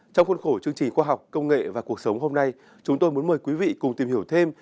trong khuôn khổ chương trình khoa học công nghệ và cuộc sống hôm nay chúng tôi muốn mời quý vị cùng tìm hiểu thêm